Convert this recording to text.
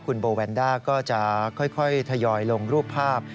คุณโบแวนด้าก็จะค่อยทยอยลงรูปภาพ